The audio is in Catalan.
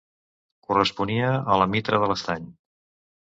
Corresponia a la Mitra de l'Estany.